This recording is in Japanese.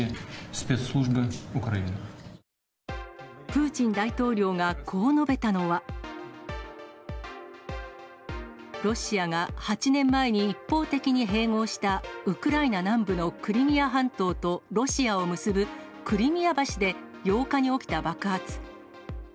プーチン大統領がこう述べたのは、ロシアが８年前に一方的に併合したウクライナ南部のクリミア半島とロシアを結ぶクリミア橋で８日に起きた爆発。